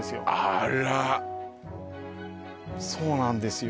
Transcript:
あらそうなんですよ